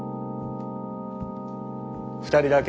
２人だけ？